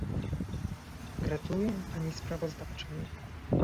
Gratuluję pani sprawozdawczyni